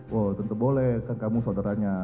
wow tentu boleh kan kamu saudaranya